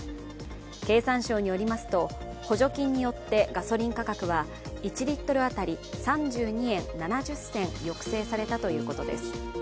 経産省によりますと、補助金によってガソリン価格は１リットル当たり３２円７０銭抑制されたということです。